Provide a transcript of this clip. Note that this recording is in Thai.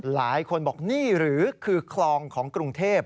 หลายคนบอกนี่หรือคือคลองของกรุงเทพ